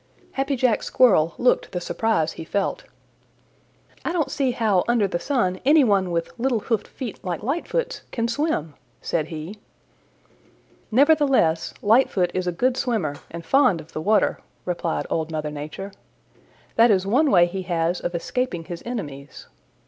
Happy Jack Squirrel looked the surprise he felt. "I don't see how under the sun any one with little hoofed feet like Lightfoot's can swim," said he. "Nevertheless, Lightfoot is a good swimmer and fond of the water," replied Old Mother Nature. "That is one way he has of escaping his enemies.